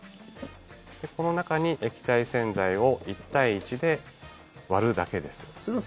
この中に液体洗剤を１対１で割るだけです。